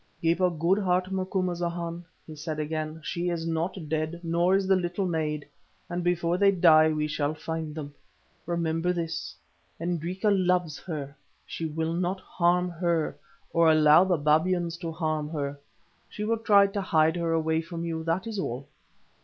"Keep a good heart, Macumazahn," he said again. "She is not dead, nor is the little maid, and before they die we shall find them. Remember this, Hendrika loves her. She will not harm her, or allow the babyans to harm her. She will try to hide her away from you, that is all."